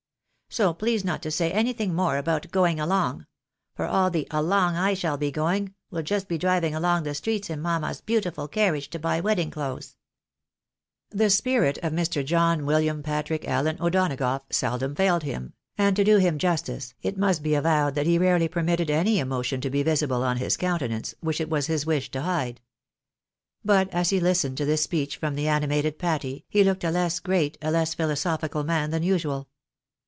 So please not to say any more about ' going along ;' for aU the along I shaU be going, will just be driving along the streets in mamma's beautiful carriage to buy wedding clothes." The spirit of Mr. John William Patrick Allen O'Donagough seldom failed him ; and, to do him justice, it must be avowed that he rarely permitted any emotion to be visible on his countenance, which it was his wish to hide. But as he listened to this speech from the animated Patty, lie looked a less great, a less philosophical man than usual.